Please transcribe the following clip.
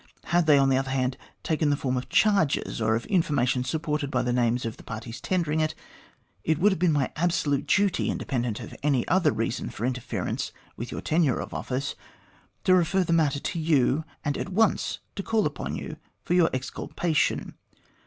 Had they, on the other hand, taken the form of charges or of information supported by the names of the parties tendering it, it would have been my absolute duty, independently of any other reason for interference with your tenure of office, to refer the matter to you, and at once to call upon you for your exculpation.